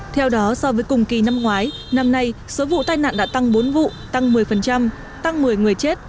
theo đó so với cùng kỳ năm ngoái năm nay số vụ tai nạn đã tăng bốn vụ tăng một mươi tăng một mươi người chết